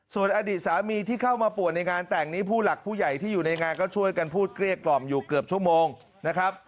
ส่วนอดีตสามีที่เข้ามาป่วนในงานแต่งนี้ผู้หลักผู้ใหญ่ที่อยู่ในงานก็ช่วยกันพูดเกลี้ยกล่อมอยู่เกือบชั่วโมงนะครับ